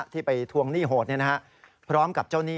ที่ไปทวงหนี้โหดเนี่ยนะฮะ